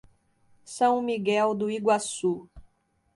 São Miguel do Iguaçu